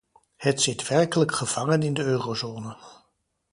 Het zit werkelijk gevangen in de eurozone.